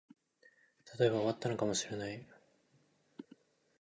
喋れば違ったのかもしれない、別の場所で会えば笑っていたかもしれない